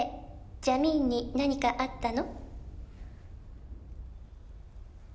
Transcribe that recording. ジャミーンに何かあったの？」